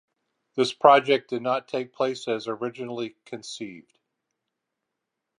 This project did not take place as originally conceived.